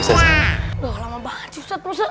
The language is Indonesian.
udah lama banget sih ustaz moosa